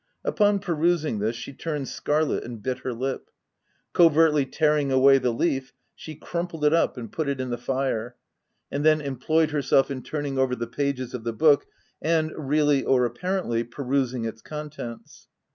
Upon perusing this, she turned scarlet and bit her lip. Covertly tearing away the leaf, she crumpled it up and put it in the fire, and then employed herself in turning over the pages of the book and, really or apparently, perusing its contents.